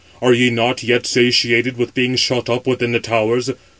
Are ye not yet satiated with being shut up within the towers?